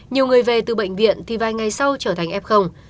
nhiều người về từ bệnh viện thì vài ngày sau trở thành f